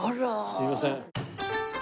すみません。